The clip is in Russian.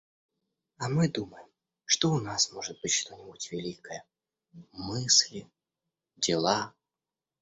А мы думаем, что у нас может быть что-нибудь великое, — мысли, дела!